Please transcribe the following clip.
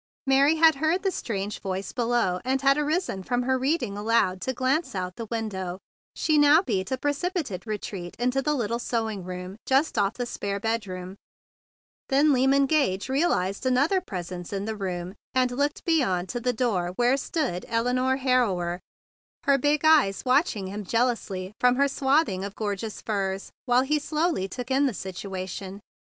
Mary had heard the strange voice below and arisen from her reading aloud to glance out of the window. She now beat a precipitate re 164 THE BIG BLUE SOLDIER treat into the little sewing room just off the spare bedroom. Then Lyman Gage realized another presence in the room, and looked beyond to the door where stood Elinore Harrower, her big eyes watching him jealously from her swathing of gorgeous furs, while he slowly took in the situation.